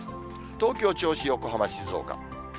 東京、銚子、横浜、静岡。